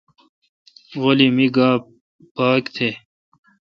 غلی می گاؘ پاک تھ۔